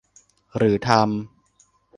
หรือทำ